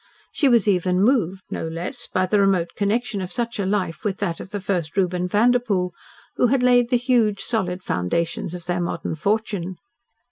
She was even moved no less by the remote connection of such a life with that of the first Reuben Vanderpoel who had laid the huge, solid foundations of their modern fortune.